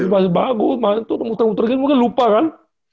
masih bagus mungkin muter muter gitu lupa kan